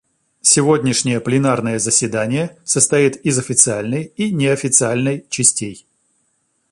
Сегодняшнее пленарное заседание состоит из официальной и неофициальной частей.